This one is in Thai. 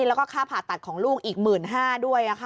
แล้วก็ค่าผ่าตัดของลูกอีก๑๕๐๐ด้วย